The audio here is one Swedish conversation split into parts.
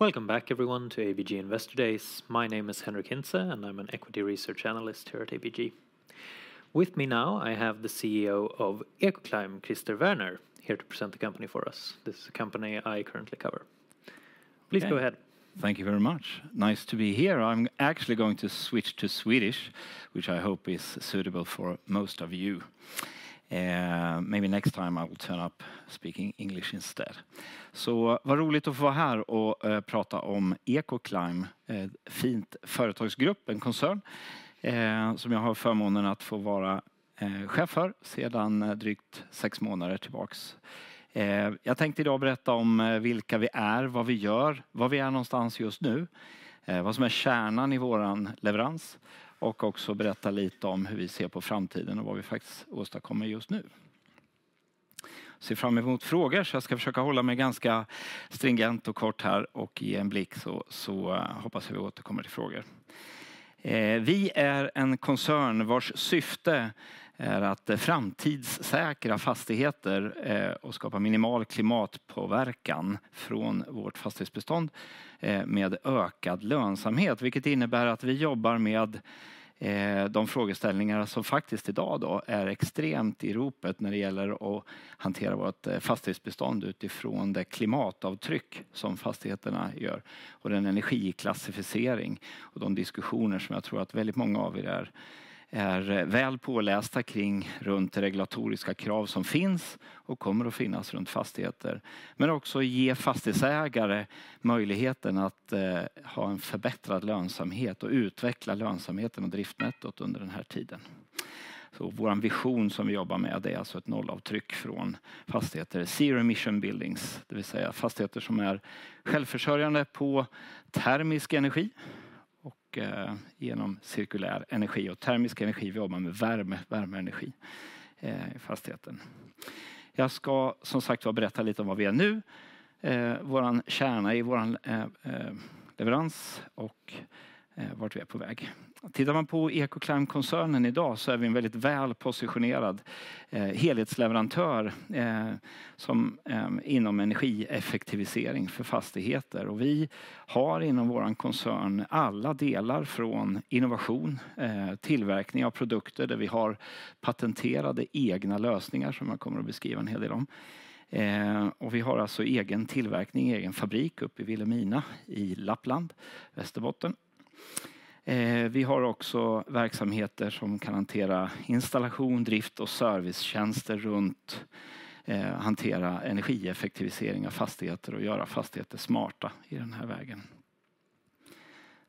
Welcome back everyone to ABG Investor Days. My name is Henrik Hintze and I'm an equity research analyst here at ABG. With me now, I have the CEO of Ecoclime, Christer Werner, here to present the company for us. This is a company I currently cover. Please go ahead. Thank you very much. Nice to be here. I'm actually going to switch to Swedish, which I hope is suitable for most of you. Maybe next time I will turn up speaking English instead. Så, vad roligt att få vara här och prata om Ecoclime. Ett fint företag, en koncern som jag har förmånen att få vara chef för sedan drygt sex månader tillbaka. Jag tänkte idag berätta om vilka vi är, vad vi gör, var vi är någonstans just nu, vad som är kärnan i vår leverans och också berätta lite om hur vi ser på framtiden och vad vi faktiskt åstadkommer just nu. Ser fram emot frågor, så jag ska försöka hålla mig ganska stringent och kort här och ge en blick, så hoppas jag vi återkommer till frågor. Vi är en koncern vars syfte är att framtidssäkra fastigheter och skapa minimal klimatpåverkan från vårt fastighetsbestånd med ökad lönsamhet, vilket innebär att vi jobbar med de frågeställningar som faktiskt idag är extremt i ropet när det gäller att hantera vårt fastighetsbestånd utifrån det klimatavtryck som fastigheterna gör och den energiklassificering och de diskussioner som jag tror att väldigt många av er är väl pålästa kring, runt regulatoriska krav som finns och kommer att finnas runt fastigheter. Men också ge fastighetsägare möjligheten att ha en förbättrad lönsamhet och utveckla lönsamheten och driftnettot under den här tiden. Så vår vision som vi jobbar med är alltså ett nollavtryck från fastigheter, zero emission buildings, det vill säga fastigheter som är självförsörjande på termisk energi och genom cirkulär energi och termisk energi. Vi jobbar med värme, värmeenergi i fastigheten. Jag ska som sagt berätta lite om var vi är nu, vår kärna i vår leverans och vart vi är på väg. Tittar man på Ecoclime-koncernen idag så är vi en väldigt väl positionerad helhetsleverantör inom energieffektivisering för fastigheter. Och vi har inom vår koncern alla delar från innovation, tillverkning av produkter där vi har patenterade egna lösningar som jag kommer att beskriva en hel del om. Och vi har alltså egen tillverkning, egen fabrik uppe i Vilhelmina, i Lappland, Västerbotten. Vi har också verksamheter som kan hantera installation, drift och servicetjänster runt hantera energieffektivisering av fastigheter och göra fastigheter smarta i den här vägen.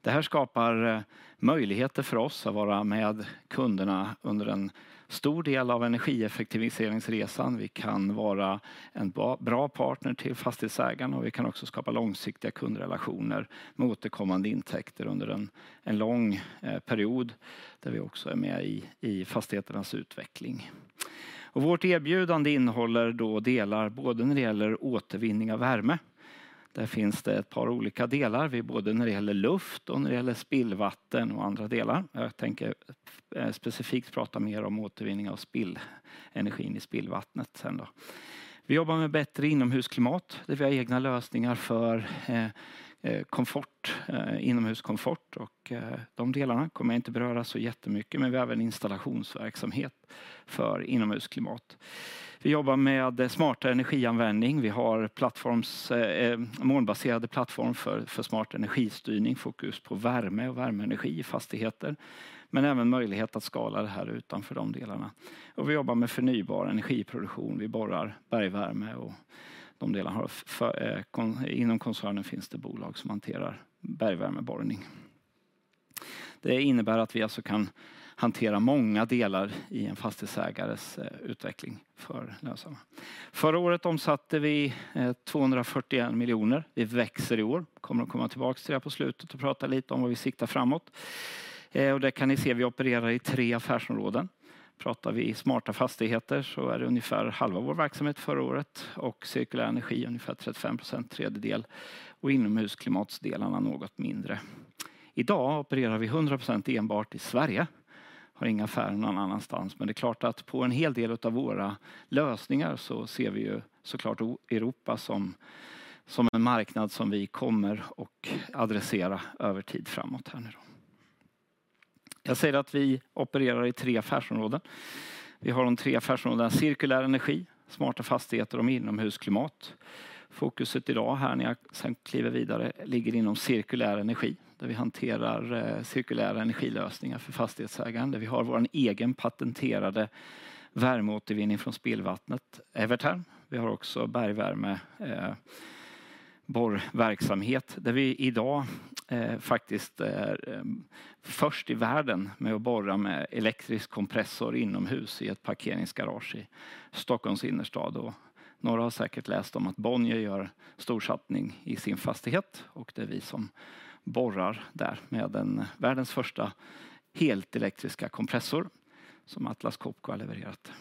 Det här skapar möjligheter för oss att vara med kunderna under en stor del av energieffektiviseringsresan. Vi kan vara en bra, bra partner till fastighetsägaren och vi kan också skapa långsiktiga kundrelationer med återkommande intäkter under en lång period, där vi också är med i fastigheternas utveckling. Vårt erbjudande innehåller då delar, både när det gäller återvinning av värme. Där finns det ett par olika delar, både när det gäller luft och när det gäller spillvatten och andra delar. Jag tänker specifikt prata mer om återvinning av spillenergin i spillvattnet sedan då. Vi jobbar med bättre inomhusklimat, där vi har egna lösningar för komfort, inomhuskomfort, och de delarna kommer jag inte beröra så jättemycket, men vi har även installationsverksamhet för inomhusklimat. Vi jobbar med smartare energianvändning. Vi har plattforms, molnbaserade plattform för smart energistyrning, fokus på värme och värmeenergi i fastigheter, men även möjlighet att skala det här utanför de delarna. Vi jobbar med förnybar energiproduktion. Vi borrar bergvärme och de delarna. Inom koncernen finns det bolag som hanterar bergvärmeborrning. Det innebär att vi alltså kan hantera många delar i en fastighetsägares utveckling för lönsamma. Förra året omsatte vi 241 miljoner. Vi växer i år. Kommer att komma tillbaka till det på slutet och prata lite om vad vi siktar framåt. Det kan ni se, vi opererar i tre affärsområden. Pratar vi i smarta fastigheter så är det ungefär halva vår verksamhet förra året och cirkulär energi, ungefär 35%, tredjedel, och inomhusklimatsdelarna något mindre. I dag opererar vi 100% enbart i Sverige. Har inga affärer någon annanstans, men det är klart att på en hel del av våra lösningar så ser vi ju så klart Europa som en marknad som vi kommer och adressera över tid framåt här nu då. Jag säger att vi opererar i tre affärsområden. Vi har de tre affärsområdena: cirkulär energi, smarta fastigheter och inomhusklimat. Fokuset idag här när jag sedan kliver vidare, ligger inom cirkulär energi, där vi hanterar cirkulära energilösningar för fastighetsägande. Vi har vår egen patenterade värmeåtervinning från spillvattnet, Evertherm. Vi har också bergvärme, borrverksamhet, där vi idag faktiskt är först i världen med att borra med elektrisk kompressor inomhus i ett parkeringsgarage i Stockholms innerstad. Några har säkert läst om att Bonnier gör storsatsning i sin fastighet och det är vi som borrar där med den världens första helt elektriska kompressor som Atlas Copco har levererat.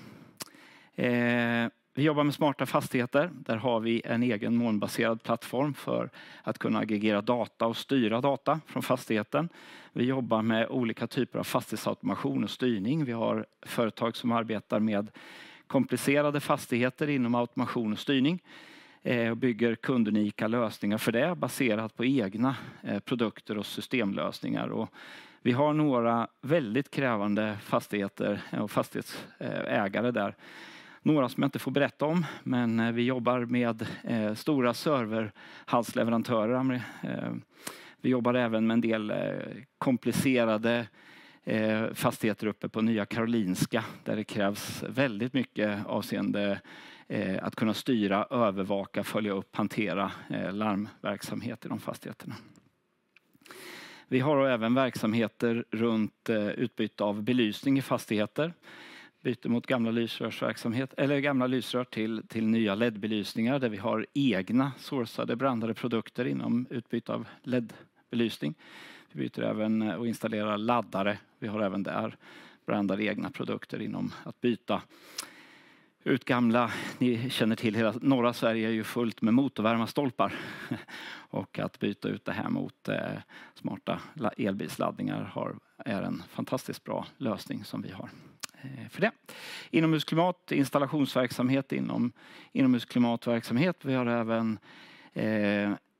Vi jobbar med smarta fastigheter. Där har vi en egen molnbaserad plattform för att kunna aggregera data och styra data från fastigheten. Vi jobbar med olika typer av fastighetsautomation och styrning. Vi har företag som arbetar med komplicerade fastigheter inom automation och styrning, och bygger kundunika lösningar för det, baserat på egna produkter och systemlösningar. Vi har några väldigt krävande fastigheter och fastighetsägare där. Några som jag inte får berätta om, men vi jobbar med stora serverhallsleverantörer. Vi jobbar även med en del komplicerade fastigheter uppe på Nya Karolinska, där det krävs väldigt mycket avseende att kunna styra, övervaka, följa upp, hantera larmverksamhet i de fastigheterna. Vi har även verksamheter runt utbyte av belysning i fastigheter, byte mot gamla lysrörsverksamhet eller gamla lysrör till nya LED-belysningar, där vi har egna sourcade brandade produkter inom utbyte av LED-belysning. Vi byter även och installerar laddare. Vi har även där brandade egna produkter inom att byta ut gamla. Ni känner till, hela norra Sverige är ju fullt med motorvärmarstolpar. Och att byta ut det här mot smarta elbilsladdningar är en fantastiskt bra lösning som vi har för det. Inomhusklimat, installationsverksamhet inom inomhusklimatverksamhet. Vi har även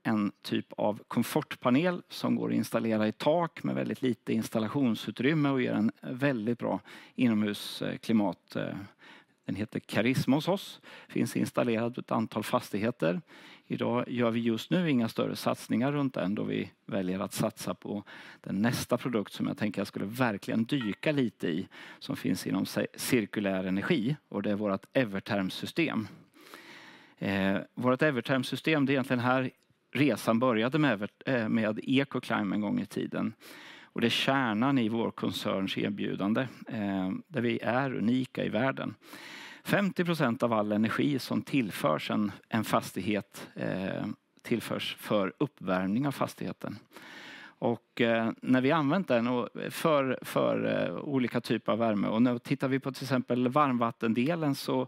en typ av komfortpanel som går att installera i tak med väldigt lite installationsutrymme och ger ett väldigt bra inomhusklimat. Den heter Charisma hos oss, finns installerad på ett antal fastigheter. Idag gör vi just nu inga större satsningar runt den, då vi väljer att satsa på den nästa produkt som jag skulle verkligen dyka lite i, som finns inom cirkulär energi och det är vårt Evertherm-system. Vårt Evertherm-system, det är egentligen här resan började med EcoClime en gång i tiden och det är kärnan i vår koncerns erbjudande, där vi är unika i världen. 50% av all energi som tillförs en fastighet tillförs för uppvärmning av fastigheten. Och när vi använt den för olika typer av värme och när tittar vi på till exempel varmvattendelen så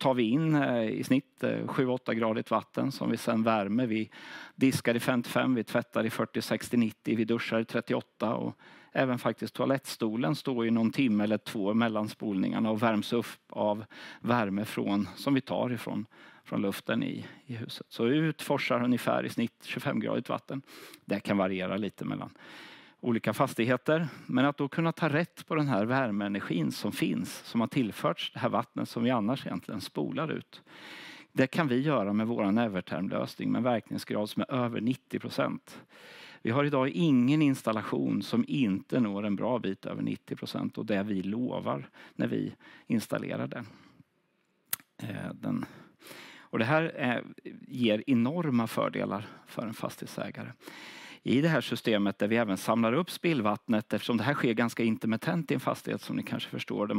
tar vi in i snitt sju, åtta gradigt vatten som vi sedan värmer. Vi diskar i femtiofem, vi tvättar i fyrtio, sextio, nittio, vi duschar i trettioåtta och även faktiskt toalettstolen står i någon timme eller två mellan spolningarna och värms upp av värme från, som vi tar ifrån luften i huset. Så ut forsar ungefär i snitt tjugofem gradigt vatten. Det kan variera lite mellan olika fastigheter, men att då kunna ta rätt på den här värmeenergin som finns, som har tillförts det här vattnet som vi annars egentligen spolar ut. Det kan vi göra med vår Evertherm lösning, med verkningsgrad som är över nittio procent. Vi har i dag ingen installation som inte når en bra bit över 90% och det vi lovar när vi installerar den. Och det här ger enorma fördelar för en fastighetsägare. I det här systemet, där vi även samlar upp spillvattnet, eftersom det här sker ganska intermittent i en fastighet, som ni kanske förstår det.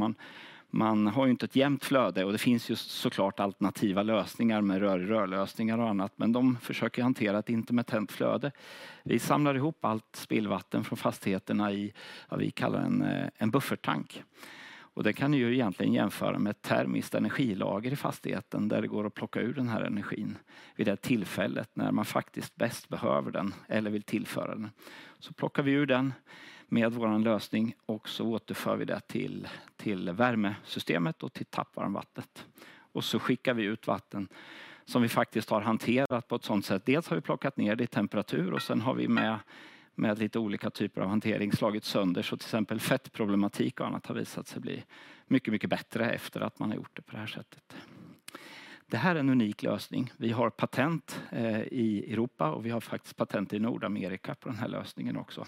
Man har ju inte ett jämnt flöde och det finns just så klart alternativa lösningar med rör i rörlösningar och annat, men de försöker hantera ett intermittent flöde. Vi samlar ihop allt spillvatten från fastigheterna i vad vi kallar en bufferttank. Och den kan ju egentligen jämföras med ett termiskt energilager i fastigheten, där det går att plocka ur den här energin vid det tillfället, när man faktiskt bäst behöver den eller vill tillföra den. Så plockar vi ur den med vår lösning och så återför vi det till värmesystemet och till tappvarmvattnet. Så skickar vi ut vatten som vi faktiskt har hanterat på ett sådant sätt. Dels har vi plockat ner det i temperatur och sen har vi med lite olika typer av hantering slagit sönder, så till exempel fettproblematik och annat har visat sig bli mycket, mycket bättre efter att man har gjort det på det här sättet. Det här är en unik lösning. Vi har patent i Europa och vi har faktiskt patent i Nordamerika på den här lösningen också.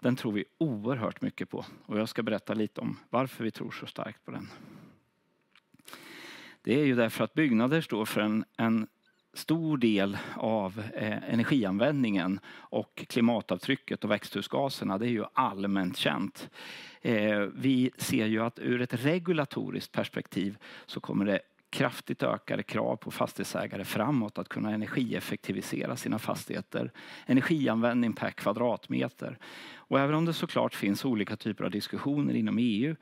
Den tror vi oerhört mycket på och jag ska berätta lite om varför vi tror så starkt på den. Det är därför att byggnader står för en stor del av energianvändningen och klimatavtrycket och växthusgaserna, det är allmänt känt. Vi ser ju att ur ett regulatoriskt perspektiv så kommer det kraftigt ökade krav på fastighetsägare framåt att kunna energieffektivisera sina fastigheter, energianvändning per kvadratmeter. Även om det så klart finns olika typer av diskussioner inom EU,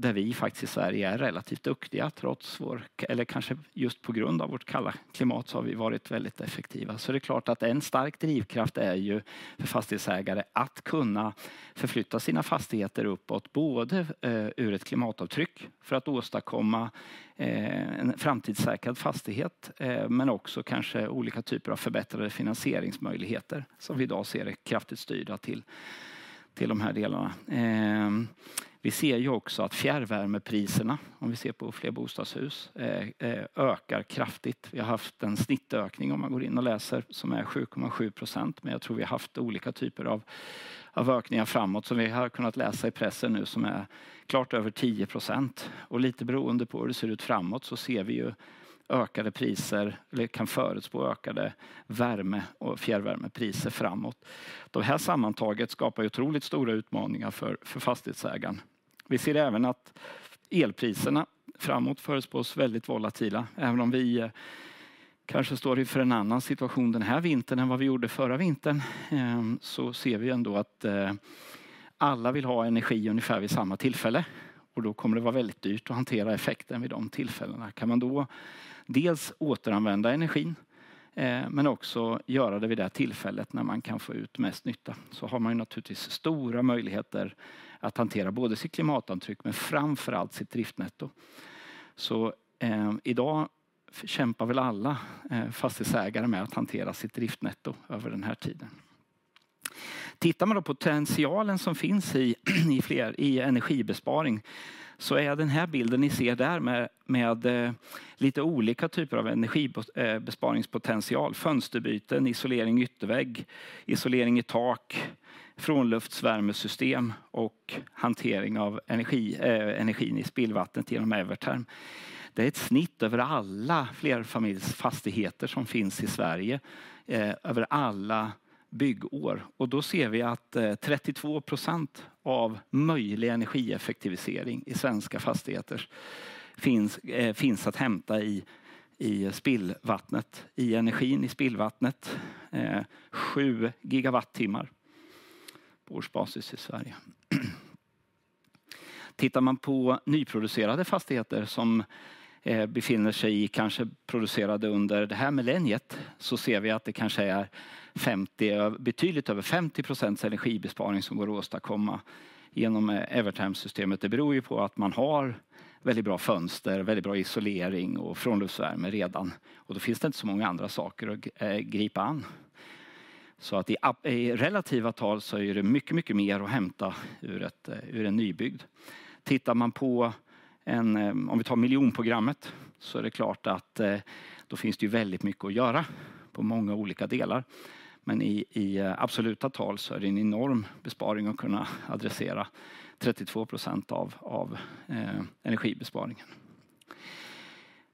där vi faktiskt i Sverige är relativt duktiga, trots vår, eller kanske just på grund av vårt kalla klimat, så har vi varit väldigt effektiva. Så är det klart att en stark drivkraft är ju för fastighetsägare att kunna förflytta sina fastigheter uppåt, både ur ett klimatavtryck, för att åstadkomma en framtidssäkrad fastighet, men också kanske olika typer av förbättrade finansieringsmöjligheter, som vi idag ser är kraftigt styrda till de här delarna. Vi ser ju också att fjärrvärmepriserna, om vi ser på fler bostadshus, ökar kraftigt. Vi har haft en snittökning, om man går in och läser, som är 7,7%, men jag tror vi har haft olika typer av ökningar framåt. Som vi har kunnat läsa i pressen nu, som är klart över 10%. Lite beroende på hur det ser ut framåt, så ser vi ju ökade priser, eller kan förutspå ökade värme- och fjärrvärmepriser framåt. De här sammantaget skapar otroligt stora utmaningar för fastighetsägaren. Vi ser även att elpriserna framåt förutspås väldigt volatila, även om vi kanske står inför en annan situation den här vintern än vad vi gjorde förra vintern, så ser vi ändå att alla vill ha energi ungefär vid samma tillfälle och då kommer det vara väldigt dyrt att hantera effekten vid de tillfällena. Kan man då dels återanvända energin, men också göra det vid det här tillfället när man kan få ut mest nytta, så har man naturligtvis stora möjligheter att hantera både sitt klimatavtryck, men framför allt sitt driftnetto. Så i dag kämpar väl alla fastighetsägare med att hantera sitt driftnetto över den här tiden. Tittar man då på potentialen som finns i energibesparing, så är den här bilden ni ser där med lite olika typer av energibesparingspotential: fönsterbyten, isolering i yttervägg, isolering i tak, frånluftsvärmesystem och hantering av energin i spillvattnet genom Everterm. Det är ett snitt över alla flerfamiljsfastigheter som finns i Sverige, över alla byggår. Då ser vi att 32% av möjlig energieffektivisering i svenska fastigheter finns att hämta i spillvattnet, i energin i spillvattnet. Sju gigawattimmar på årsbasis i Sverige. Tittar man på nyproducerade fastigheter som befinner sig i, kanske producerade under det här millenniet, så ser vi att det kanske är 50%, betydligt över 50% energibesparing som går att åstadkomma genom Everterm systemet. Det beror ju på att man har väldigt bra fönster, väldigt bra isolering och frånluftsvärme redan, och då finns det inte så många andra saker att gripa an. I relativa tal så är det mycket, mycket mer att hämta ur en nybyggd. Tittar man på miljonprogrammet, så är det klart att då finns det ju väldigt mycket att göra på många olika delar. Men i absoluta tal så är det en enorm besparing att kunna adressera 32% av energibesparingen.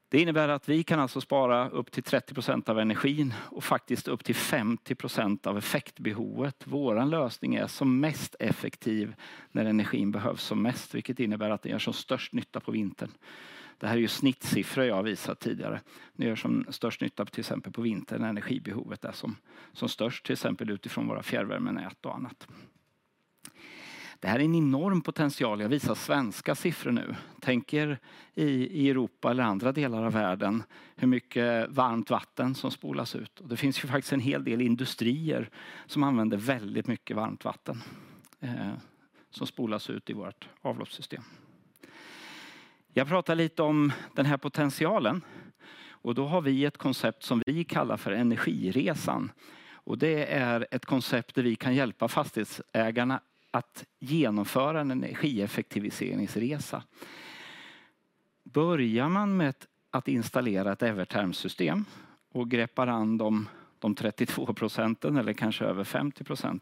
Det innebär att vi kan alltså spara upp till 30% av energin och faktiskt upp till 50% av effektbehovet. Vår lösning är som mest effektiv när energin behövs som mest, vilket innebär att det gör som störst nytta på vintern. Det här är ju snittsiffror jag har visat tidigare. Det gör som störst nytta, till exempel, på vintern när energibehovet är som störst, till exempel, utifrån våra fjärrvärmenät och annat. Det här är en enorm potential. Jag visar svenska siffror nu. Tänk er i Europa eller andra delar av världen, hur mycket varmt vatten som spolas ut. Det finns ju faktiskt en hel del industrier som använder väldigt mycket varmt vatten som spolas ut i vårt avloppssystem. Jag pratar lite om den här potentialen och då har vi ett koncept som vi kallar för energiresan. Det är ett koncept där vi kan hjälpa fastighetsägarna att genomföra en energieffektiviseringsresa. Börjar man med att installera ett Everterm system och greppar an de 32% eller kanske över 50%.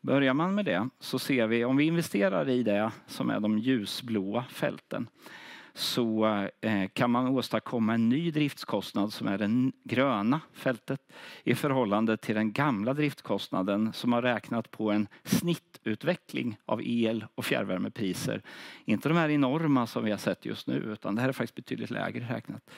Börjar man med det så ser vi, om vi investerar i det som är de ljusblåa fälten, så kan man åstadkomma en ny driftskostnad som är det gröna fältet, i förhållande till den gamla driftskostnaden som har räknat på en snittutveckling av el- och fjärrvärmepriser. Inte de här enorma som vi har sett just nu, utan det här är faktiskt betydligt lägre räknat.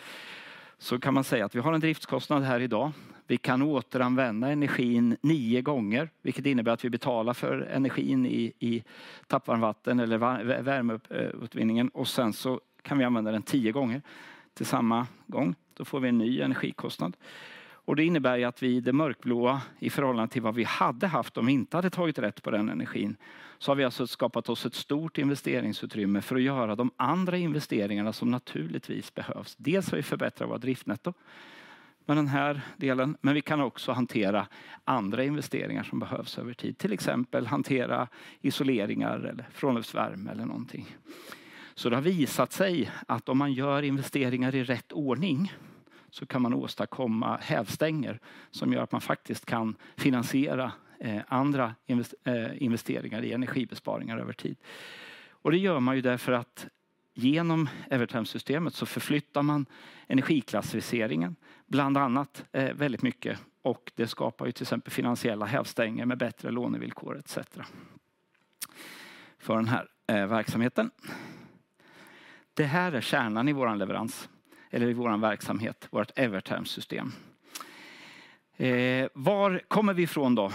Så kan man säga att vi har en driftskostnad här idag. Vi kan återanvända energin nio gånger, vilket innebär att vi betalar för energin i tappvarmvatten eller värmeutvinningen och sen så kan vi använda den tio gånger till samma gång. Då får vi en ny energikostnad. Och det innebär ju att vi, det mörkblåa, i förhållande till vad vi hade haft om vi inte hade tagit rätt på den energin, så har vi alltså skapat oss ett stort investeringsutrymme för att göra de andra investeringarna som naturligtvis behövs. Dels har vi förbättrat vår driftnetto med den här delen, men vi kan också hantera andra investeringar som behövs över tid, till exempel hantera isoleringar eller frånluftsvärme eller någonting. Så det har visat sig att om man gör investeringar i rätt ordning, så kan man åstadkomma hävstänger som gör att man faktiskt kan finansiera andra investeringar i energibesparingar över tid. Och det gör man ju därför att genom Everterm-systemet så förflyttar man energiklassificeringen, bland annat, väldigt mycket och det skapar ju till exempel finansiella hävstänger med bättre lånevillkor etc. för den här verksamheten. Det här är kärnan i vår leverans eller i vår verksamhet, vårt Everterm-system. Var kommer vi ifrån då?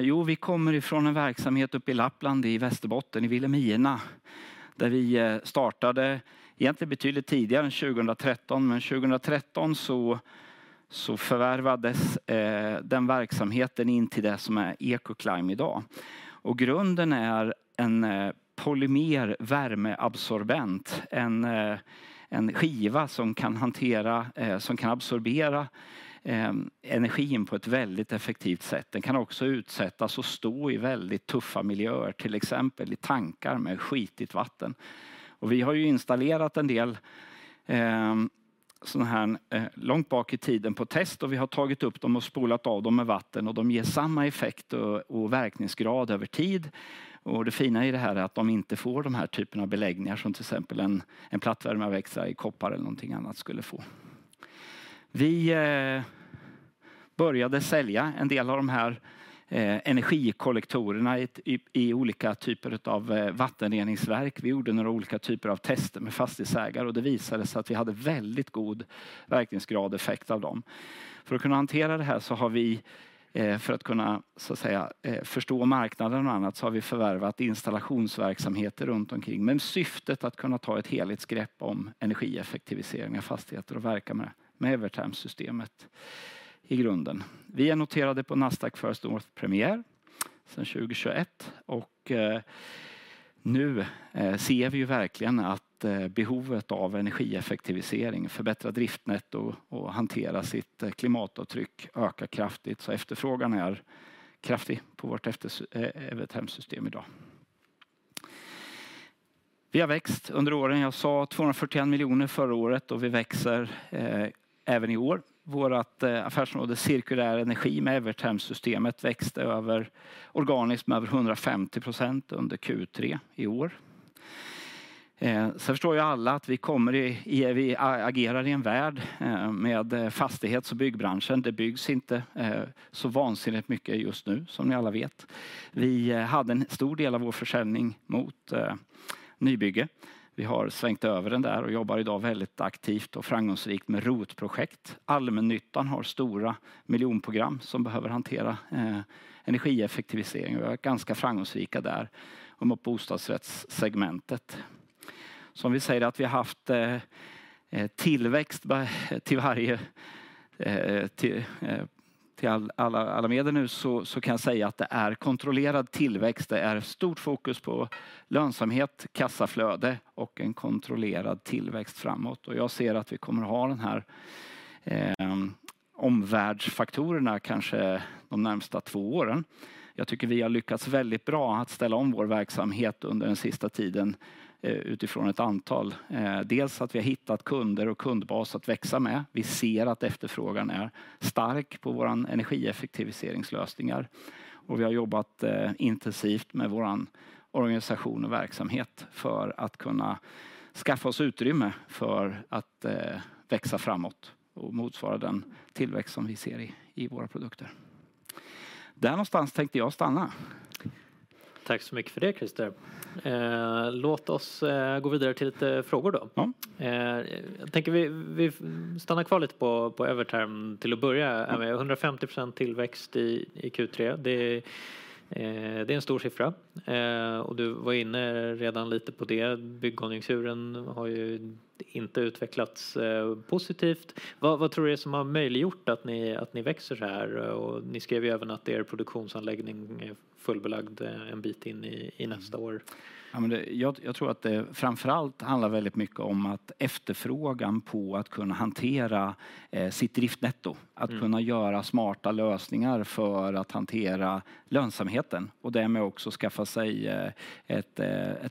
Jo, vi kommer ifrån en verksamhet uppe i Lappland, i Västerbotten, i Vilhelmina, där vi startade egentligen betydligt tidigare än 2013. Men 2013 så förvärvades den verksamheten in till det som är Ecoclime idag. Och grunden är en polymer värmeabsorbent, en skiva som kan hantera, som kan absorbera energin på ett väldigt effektivt sätt. Den kan också utsättas och stå i väldigt tuffa miljöer, till exempel i tankar med skitigt vatten. Och vi har ju installerat en del sådana här långt bak i tiden på test och vi har tagit upp dem och spolat av dem med vatten och de ger samma effekt och verkningsgrad över tid. Och det fina i det här är att de inte får de här typerna av beläggningar som till exempel en plattvärmeväxlare i koppar eller någonting annat skulle få. Vi började sälja en del av de här energikollektorerna i olika typer av vattenreningsverk. Vi gjorde några olika typer av tester med fastighetsägare och det visade sig att vi hade väldigt god verkningsgrad och effekt av dem. För att kunna hantera det här så har vi, för att kunna, så att säga, förstå marknaden och annat, så har vi förvärvat installationsverksamheter runt omkring. Med syftet att kunna ta ett helhetsgrepp om energieffektivisering av fastigheter och verka med Evertherm-systemet i grunden. Vi är noterade på Nasdaq First North Premier sedan 2021 och nu ser vi ju verkligen att behovet av energieffektivisering, förbättra driftnetto och hantera sitt klimatavtryck ökar kraftigt. Så efterfrågan är kraftig på vårt Evertherm-system i dag. Vi har växt under åren. Jag sa tvåhundrafyrtioen miljoner förra året och vi växer även i år. Vårt affärsområde Cirkulär energi med Evertherm-systemet växte organiskt med över hundrafemtio% under Q3 i år. Sen förstår ju alla att vi kommer i, vi agerar i en värld med fastighets- och byggbranschen. Det byggs inte så vansinnigt mycket just nu, som ni alla vet. Vi hade en stor del av vår försäljning mot nybygge. Vi har svängt över den där och jobbar i dag väldigt aktivt och framgångsrikt med ROT-projekt. Allmännyttan har stora miljonprogram som behöver hantera energieffektivisering, och vi är ganska framgångsrika där och mot bostadsrättssegmentet. Som vi säger att vi haft tillväxt till alla medier nu, så kan jag säga att det är kontrollerad tillväxt. Det är stort fokus på lönsamhet, kassaflöde och en kontrollerad tillväxt framåt. Och jag ser att vi kommer att ha de här omvärldsfaktorerna kanske de närmaste två åren. Jag tycker vi har lyckats väldigt bra att ställa om vår verksamhet under den sista tiden utifrån ett antal... Dels att vi har hittat kunder och kundbas att växa med. Vi ser att efterfrågan är stark på våra energieffektiviseringslösningar och vi har jobbat intensivt med vår organisation och verksamhet för att kunna skaffa oss utrymme för att växa framåt och motsvara den tillväxt som vi ser i våra produkter. Där någonstans tänkte jag stanna. Tack så mycket för det, Christer. Låt oss gå vidare till lite frågor då. Ja. Jag tänker vi stannar kvar lite på Evertherm till att börja med. 150% tillväxt i Q3, det är en stor siffra. Du var inne redan lite på det. Byggkonjunkturen har ju inte utvecklats positivt. Vad tror du är det som har möjliggjort att ni växer såhär? Ni skrev ju även att er produktionsanläggning är fullbelagd en bit in i nästa år. Ja, men det, jag tror att det framför allt handlar väldigt mycket om att efterfrågan på att kunna hantera sitt driftnetto, att kunna göra smarta lösningar för att hantera lönsamheten och därmed också skaffa sig ett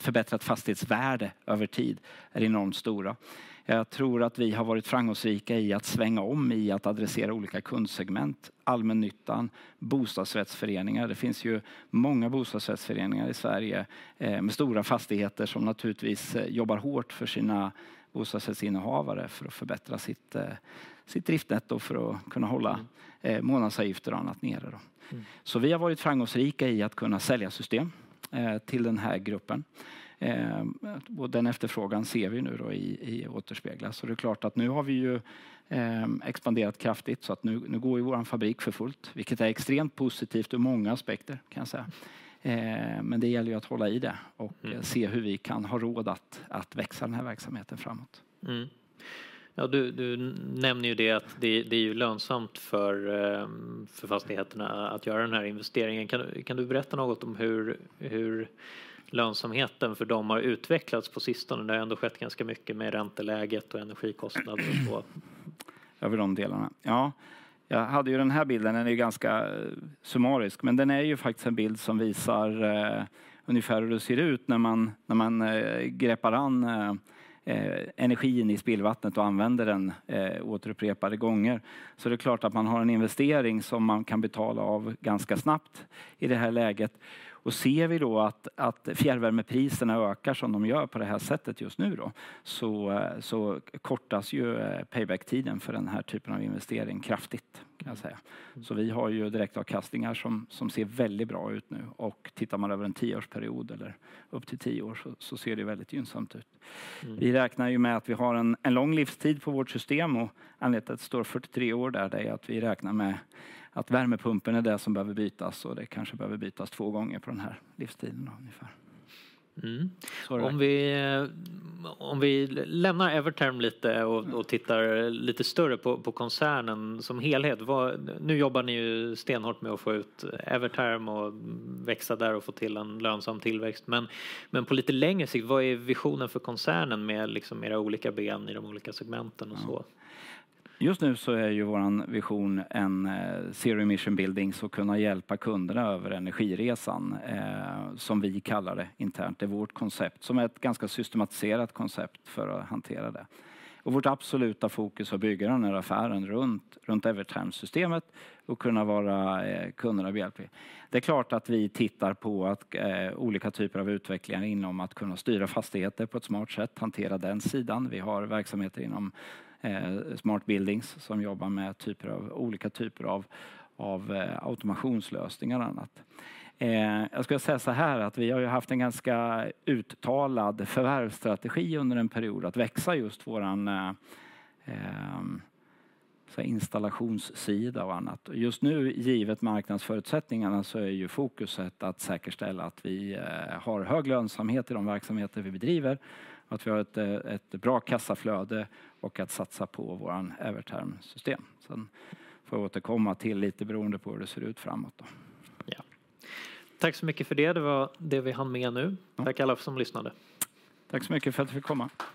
förbättrat fastighetsvärde över tid, är enormt stora. Jag tror att vi har varit framgångsrika i att svänga om, i att adressera olika kundsegment, allmännyttan, bostadsrättsföreningar. Det finns ju många bostadsrättsföreningar i Sverige med stora fastigheter som naturligtvis jobbar hårt för sina bostadsrättsinnehavare för att förbättra sitt driftnetto för att kunna hålla månadsavgifter och annat nere då. Så vi har varit framgångsrika i att kunna sälja system till den här gruppen. Och den efterfrågan ser vi nu då i återspeglas. Och det är klart att nu har vi ju expanderat kraftigt, så att nu går ju vår fabrik för fullt, vilket är extremt positivt ur många aspekter, kan jag säga. Men det gäller ju att hålla i det och se hur vi kan ha råd att växa den här verksamheten framåt. Mm. Ja, du nämner ju det, att det är ju lönsamt för fastigheterna att göra den här investeringen. Kan du berätta något om hur lönsamheten för dem har utvecklats på sistone? Det har ändå skett ganska mycket med ränteläget och energikostnad och så. Över de delarna. Ja, jag hade ju den här bilden, den är ganska summarisk, men den är ju faktiskt en bild som visar ungefär hur det ser ut när man greppar energin i spillvattnet och använder den återupprepade gånger. Det är klart att man har en investering som man kan betala av ganska snabbt i det här läget. Ser vi då att fjärrvärmepriserna ökar som de gör på det här sättet just nu, så kortas ju payback-tiden för den här typen av investering kraftigt, kan jag säga. Vi har ju direktavkastningar som ser väldigt bra ut nu och tittar man över en tioårsperiod eller upp till tio år, så ser det väldigt gynnsamt ut. Vi räknar ju med att vi har en lång livstid på vårt system och anledningen att det står fyrtiotre år där, det är att vi räknar med att värmepumpen är det som behöver bytas och det kanske behöver bytas två gånger på den här livstiden ungefär. Mm. Om vi, om vi lämnar Evertherm lite och, och tittar lite större på, på koncernen som helhet, vad... Nu jobbar ni ju stenhårt med att få ut Evertherm och växa där och få till en lönsam tillväxt. Men på lite längre sikt, vad är visionen för koncernen med era olika ben i de olika segmenten och så? Just nu så är ju vår vision en zero emission buildings och kunna hjälpa kunderna över energiresan, som vi kallar det internt. Det är vårt koncept, som är ett ganska systematiserat koncept för att hantera det. Vårt absoluta fokus att bygga den här affären runt Evertherm-systemet och kunna vara kunderna behjälplig. Det är klart att vi tittar på olika typer av utvecklingar inom att kunna styra fastigheter på ett smart sätt, hantera den sidan. Vi har verksamheter inom smart buildings, som jobbar med olika typer av automationslösningar och annat. Jag ska säga såhär, att vi har ju haft en ganska uttalad förvärvsstrategi under en period att växa just vår installationssida och annat. Just nu, givet marknadsförutsättningarna, så är fokuset att säkerställa att vi har hög lönsamhet i de verksamheter vi bedriver, att vi har ett bra kassaflöde och att satsa på vårt Evertherm-system. Sen får jag återkomma till lite beroende på hur det ser ut framåt. Ja, tack så mycket för det. Det var det vi hann med nu. Tack alla som lyssnade. Tack så mycket för att jag fick komma.